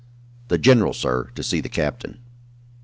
"The general, sir, to see the captain!"